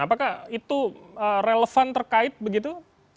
apakah itu relevan terkait begitu